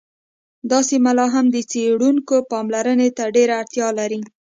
دا سیمه لا هم د څیړونکو پاملرنې ته ډېره اړتیا لري